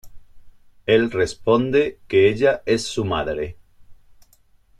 Él responde que ella es su madre.